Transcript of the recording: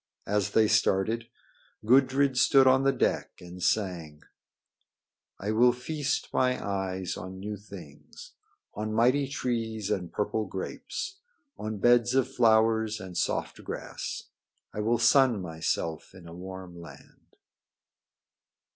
As they started, Gudrid stood on the deck and sang: "I will feast my eyes on new things On mighty trees and purple grapes, On beds of flowers and soft grass. I will sun myself in a warm land."